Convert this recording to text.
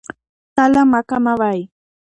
تله مه کموئ.